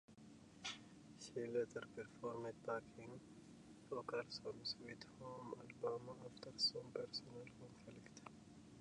She later performed backing vocals on "Sweet Home Alabama", after some personal conflict.